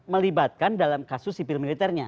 melibatkan dalam kasus sipil militernya